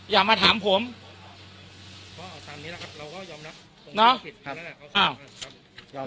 อย่ามาถามผมตอนนี้นะครับเราก็ยอมรับเนอะครับอ่า